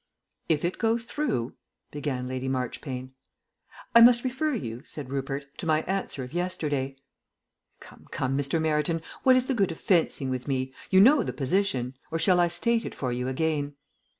"If it goes through," began Lady Marchpane "I must refer you," said Rupert, "to my answer of yesterday." "Come, come, Mr. Meryton, what is the good of fencing with me? You know the position. Or shall I state it for you again?"